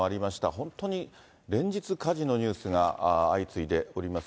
本当に連日、火事のニュースが相次いでおります。